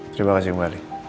terima kasih mbak ali